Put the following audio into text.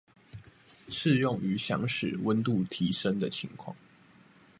適用於想使溫度提升的情況